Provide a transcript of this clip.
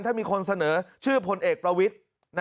ถ้ามีคนเสนอชื่อพลเอกประวิทธิ์